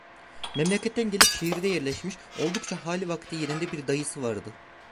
Memleketten gelip şehirde yerleşmiş, oldukça hali vakti yerinde bir dayısı vardı.